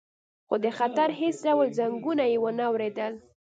خو د خطر هیڅ ډول زنګونه یې ونه اوریدل